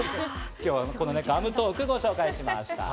今日はガムトークをご紹介しました。